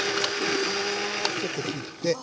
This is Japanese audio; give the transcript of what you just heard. ちょっと切って。